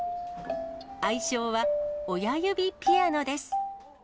愛称は親指ピアノです。